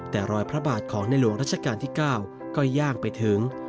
แต่รอยพระบาทของในหลวงรัชกาลที่๙ก็ย่างไปถึง